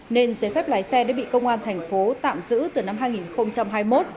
nên giấy phép lái xe đã bị công an thành phố tạm giữ từ năm hai nghìn hai mươi một